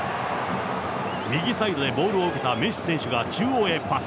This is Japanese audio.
右サイドでボールを受けたメッシ選手が中央へパス。